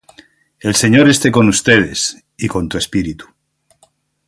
El Señor esté con ustedes. Y con tu espíritu.